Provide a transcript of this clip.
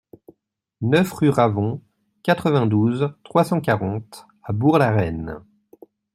neuf rue Ravon, quatre-vingt-douze, trois cent quarante à Bourg-la-Reine